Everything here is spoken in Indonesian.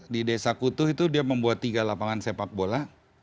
di desa kutuh itu dia membuat tiga lapangan sepak bola